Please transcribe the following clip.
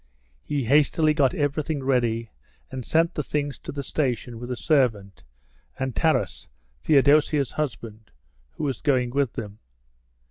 He hastily got everything ready, and sent the things to the station with a servant and Taras, Theodosia's husband, who was going with them.